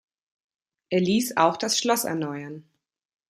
Er ließ auch das Schloss erneuern.